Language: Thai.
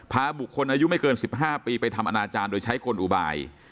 พาบุคคลอายุไม่เกิน๑๕ปีไปทำอนาจารย์โดยใช้กลอุบาย